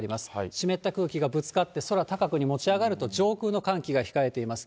湿った空気がぶつかって、空高くに持ち上がると上空の寒気が控えています。